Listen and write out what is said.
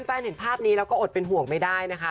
เห็นภาพนี้แล้วก็อดเป็นห่วงไม่ได้นะคะ